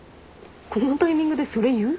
このタイミングでそれ言う？